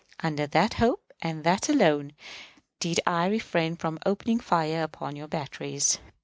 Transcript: Under that hope, and that alone, did I refrain from opening fire upon your batteries.